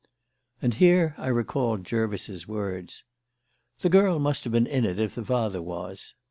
And here I recalled Jervis's words: "The girl must have been in it if the father was."